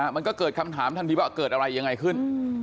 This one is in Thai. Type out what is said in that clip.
มันก็เกิดคำถามทันทีว่าเกิดอะไรยังไงขึ้น